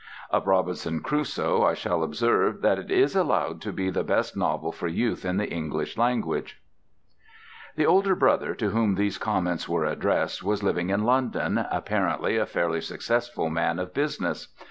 Of 'Robinson Crusoe' I shall observe that it is allowed to be the best novel for youth in the English language." The older brother to whom these comments were addressed was living in London, apparently a fairly successful man of business.